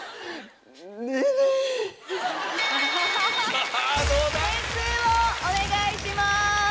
さぁどうだ⁉点数をお願いします。